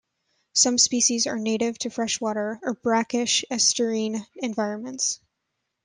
Some species are native to freshwater or brackish estuarine environments.